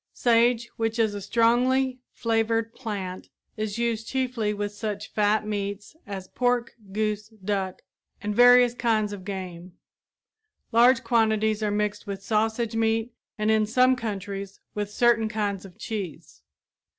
Sage, which is a strongly flavored plant, is used chiefly with such fat meats as pork, goose, duck, and various kinds of game. Large quantities are mixed with sausage meat and, in some countries, with certain kinds of cheese.